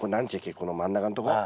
この真ん中のとこ。